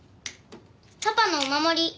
パパのお守り。